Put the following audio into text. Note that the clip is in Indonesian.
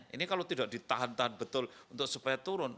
ini kalau tidak ditahan tahan betul untuk supaya turun